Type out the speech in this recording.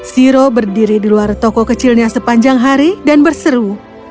siro berdiri di luar toko kecilnya sepanjang hari dan berseru